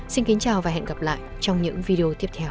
xin kính chào và hẹn gặp lại trong những video tiếp theo